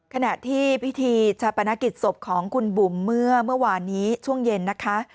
ขณะที่พิธีชาปนกิจศพของคุณบุ๋มเมื่อวานนี้ช่วงเย็นนะคะ